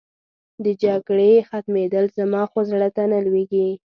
د جګړې ختمېدل، زما خو زړه ته نه لوېږي.